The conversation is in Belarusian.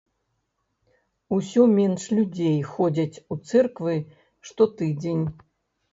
Усё менш людзей ходзяць у цэрквы штотыдзень.